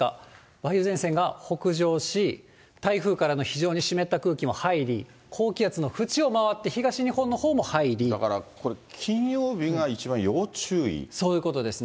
梅雨前線が北上し、台風からの非常に湿った空気も入り、高気圧の縁を回って、だから、そういうことですね。